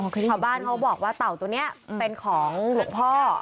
ชาวบ้านเขาบอกว่าเต่าตัวนี้เป็นของหลวงพ่อ